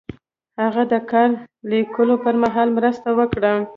هغه د کتاب لیکلو پر مهال مرسته وکړه.